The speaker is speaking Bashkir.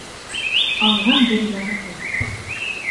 Алған бер яҙыҡлы.